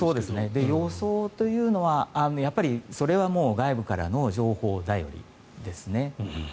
予想というのは、それは外部からの情報頼りですね。